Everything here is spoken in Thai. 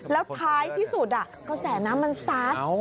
แล้วไปที่สุดกาแสน้ำมันซาด